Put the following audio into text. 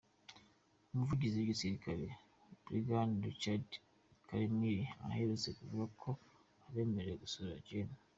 Umuvugizi w’ igisirikare Brig Richard Karemire aherutse kuvuga ko abemerewe gusura Gen.